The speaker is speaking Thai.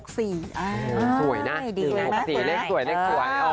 สวยนะสวยมากสวยสวยสวยสวย